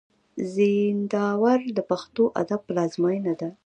زينداور د پښتو ادب پلازمېنه ده.